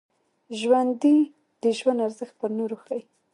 ژوندي د ژوند ارزښت پر نورو ښيي